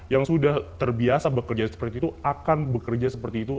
yang sudah terbiasa bekerja seperti itu akan bekerja seperti itu